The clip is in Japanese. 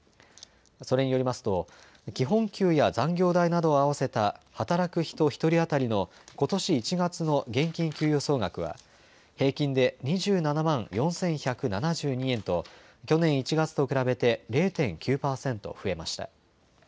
それによりますと基本給や残業代などを合わせた働く人１人当たりのことし１月の現金給与総額は平均で２７万４１７２円と去年１月と比べて０．９％増えました。